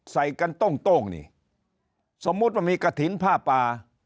ใส่กันโต้งนี่สมมุติว่ามีกระถิ่นผ้าป่า